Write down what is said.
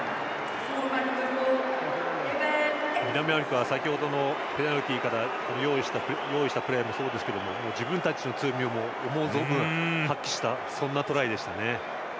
南アフリカは先程のペナルティーから用意したプレーもそうですけど自分たちの強みを思う存分発揮したそんなトライでしたね。